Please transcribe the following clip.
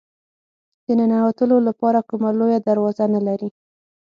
د ننوتلو لپاره کومه لویه دروازه نه لري.